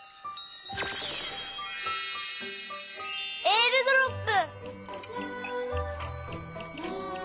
えーるドロップ！